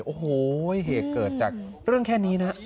โอ้โหเหตุเกิดจากเรื่องแค่นี้นะ